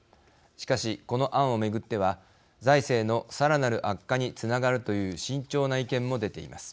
しかし、この案を巡っては財政のさらなる悪化につながるという慎重な意見も出ています。